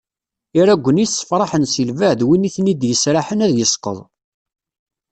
Iraggen-is ssefraḥen si lbaɛd win i ten-id-yesraḥen ad yesqeḍ.